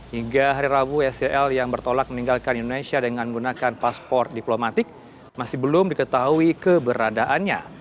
hingga hari rabu sel yang bertolak meninggalkan indonesia dengan menggunakan paspor diplomatik masih belum diketahui keberadaannya